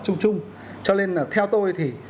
chung chung cho nên là theo tôi thì